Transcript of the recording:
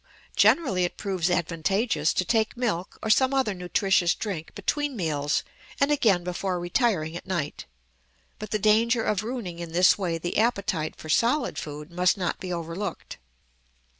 Generally it proves advantageous to take milk or some other nutritious drink between meals and again before retiring at night, but the danger of ruining in this way the appetite for solid food must not be overlooked.